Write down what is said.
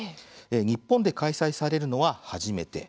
日本で開催されるのは初めて。